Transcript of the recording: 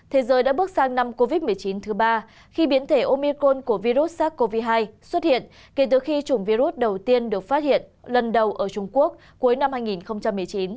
thế giới đã bước sang năm covid một mươi chín thứ ba khi biến thể omicon của virus sars cov hai xuất hiện kể từ khi chủng virus đầu tiên được phát hiện lần đầu ở trung quốc cuối năm hai nghìn một mươi chín